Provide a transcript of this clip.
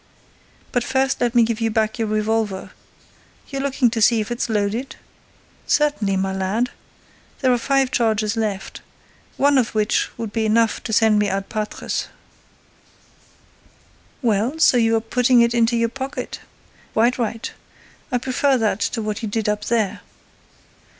But, first, let me give you back your revolver. You're looking to see if it's loaded? Certainly, my lad. There are five charges left, one of which would be enough to send me ad patres.—Well, so you're putting it in your pocket? Quite right. I prefer that to what you did up there.